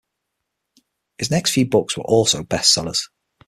His next few books were also bestsellers.